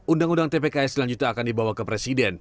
undang undang tpks selanjutnya akan dibawa ke presiden